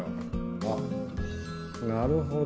あっなるほど。